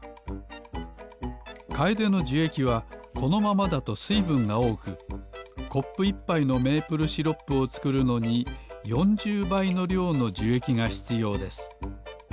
カエデのじゅえきはこのままだとすいぶんがおおくコップ１ぱいのメープルシロップをつくるのに４０ばいのりょうのじゅえきがひつようです。